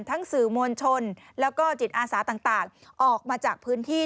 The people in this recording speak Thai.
สื่อมวลชนแล้วก็จิตอาสาต่างออกมาจากพื้นที่